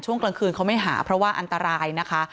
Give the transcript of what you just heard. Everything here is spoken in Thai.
กลางคืนเขาไม่หาเพราะว่าอันตรายนะคะ